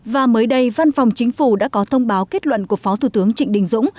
và mới đây văn phòng chính phủ đã có thông báo kết luận của phó thủ tướng trịnh đình dũng